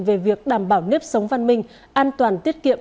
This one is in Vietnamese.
về việc đảm bảo nếp sống văn minh an toàn tiết kiệm